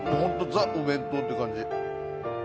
ＴＨＥお弁当って感じ。